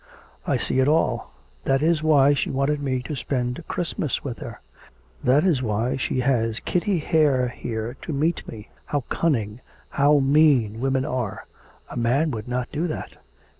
I see it all; that is why she wanted me to spend Christmas with her; that is why she has Kitty Hare here to meet me. How cunning, how mean women are! a man would not do that.